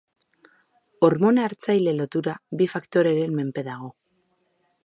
Hormona-hartzaile lotura bi faktoreren menpe dago.